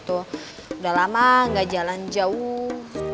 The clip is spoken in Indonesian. udah lama nggak jalan jauh